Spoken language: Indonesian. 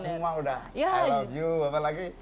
aku lupa semua udah i love you apa lagi